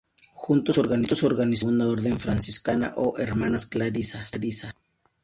Juntos organizaron la Segunda Orden Franciscana o hermanas clarisas.